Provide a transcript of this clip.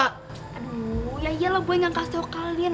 aduh ya iyalah boy nggak kasih tau kalian